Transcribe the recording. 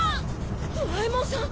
ドラえもんさん！？